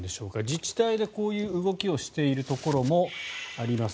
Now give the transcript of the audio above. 自治体でこういう動きをしているところもあります。